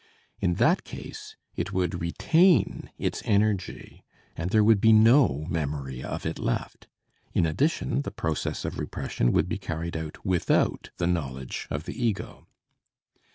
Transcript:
In that case, it would retain its energy and there would be no memory of it left; in addition, the process of repression would be carried out without the knowledge of the ego.